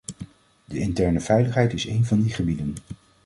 De interne veiligheid is één van die gebieden.